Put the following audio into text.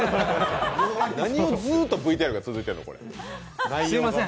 何をずーっとＶＴＲが続いてるのん？